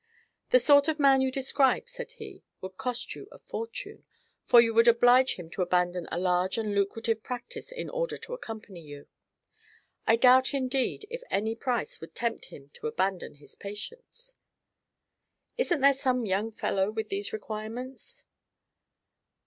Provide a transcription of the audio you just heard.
"The sort of man you describe," said he, "would cost you a fortune, for you would oblige him to abandon a large and lucrative practice in order to accompany you. I doubt, indeed, if any price would tempt him to abandon his patients." "Isn't there some young fellow with these requirements?"